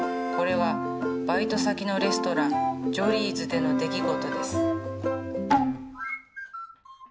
これはバイト先のレストランジョリーズでの出来事です。